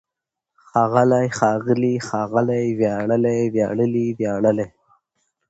ښاغلی، ښاغلي، ښاغلې! وياړلی، وياړلي، وياړلې!